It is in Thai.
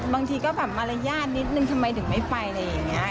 บางทีก็แบบมารยาทนิดนึงทำไมถึงไม่ไปอะไรอย่างนี้